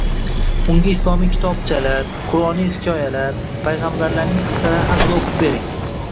Unga islomiy kitobchalar, qur’oniy hikoyalar, payg‘ambarlarning qissalari haqida o‘qib bering.